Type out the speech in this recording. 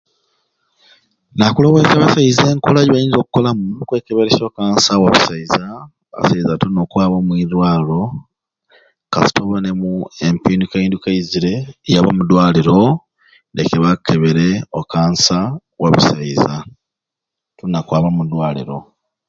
Nakuloweze abasaiza enkola gyebayinza okukolamu okwekeberesya okansa wabusaiza abasaiza tulina okwaba omwirwalo kasita obonemu epindukanduka eizire yaba omudwaliro leke bakukebere okansa wabusaiza tulina kwaba mu dwaliro